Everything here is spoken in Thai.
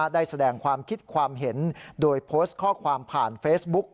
ได้แสดงความคิดความเห็นโดยโพสต์ข้อความผ่านเฟซบุ๊ก